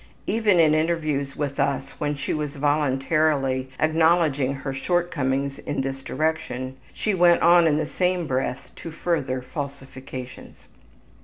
Even in interviews with us when she was voluntarily acknowledging her shortcomings in this direction she went on in the same breath to further falsifications.